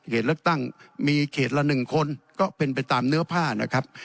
เลือกตั้งมีเขตละ๑คนก็เป็นไปตามเนื้อผ้านะครับ